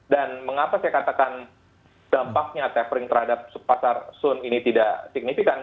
dan mengapa saya katakan dampaknya tapering terhadap pasar soon ini tidak signifikan